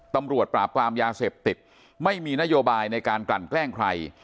ตำรวจปราบปรามยาเสพติดไม่มีนโยบายในการกลั่นแกล้งใคร